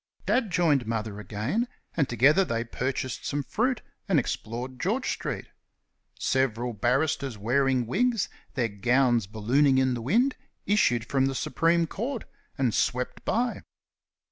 Dad joined Mother again, and together they purchased some fruit and explored George street. Several barristers wearing wigs, their gowns ballooning in the wind, issued from the Supreme Court and swept by.